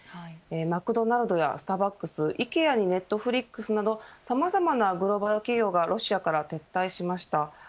マクドナルドやスターバックス、イケアにネットフリックスなどさまざまなグローバル企業がロシアから撤退しました。